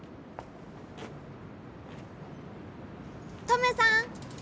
・トメさん！